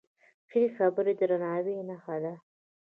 ښې خبرې د درناوي نښه ده.